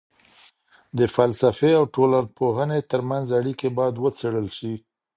د فلسفې او ټولنپوهني ترمنځ اړیکې باید وڅېړل سي.